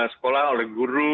sekolah oleh guru